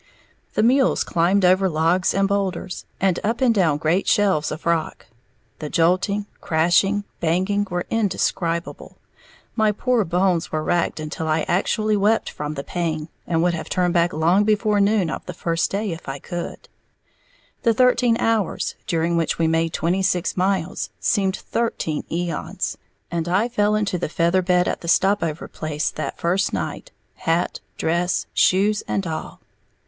The mules climbed over logs and bowlders, and up and down great shelves of rock, the jolting, crashing, banging were indescribable, my poor bones were racked until I actually wept from the pain and would have turned back long before noon of the first day if I could; the thirteen hours during which we made twenty six miles seemed thirteen eons, and I fell into the feather bed at the stopover place that first night hat, dress, shoes and all.